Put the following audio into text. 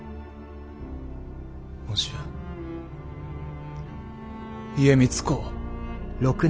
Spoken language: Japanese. もしや家光公は。